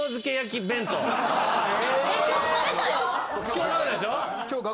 今日食べたでしょ。